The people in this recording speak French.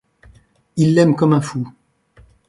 Il l'aime comme un fou.